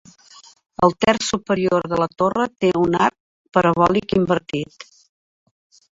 El terç superior de la torre té un arc parabòlic invertit.